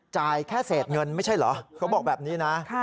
จ่ายแค่เศษเงินไม่ใช่เหรอเขาบอกแบบนี้นะ